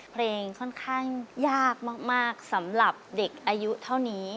เพลงค่อนข้างยากมากสำหรับเด็กอายุเท่านี้